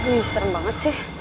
wih serem banget sih